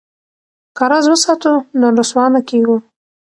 که راز وساتو نو رسوا نه کیږو.